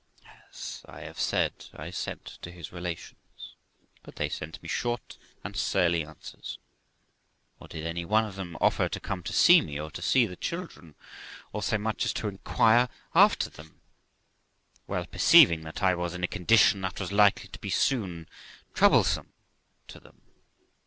As I have said, I sent to his relations, but they sent me short and surly answers; nor did any one of them offer to come to see me, or to see the children, or so much as to inquire after them, well perceiving that I was in a condition that was likely to be soon troublesome to them.